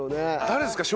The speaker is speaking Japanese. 誰ですか？